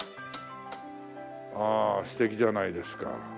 ああ素敵じゃないですか。